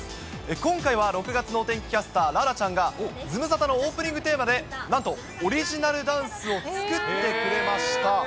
今回は６月のお天気キャスター、楽々ちゃんが、ズムサタのオープニングテーマで、なんとオリジナルダンスを作ってくれました。